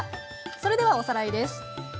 それではおさらいです。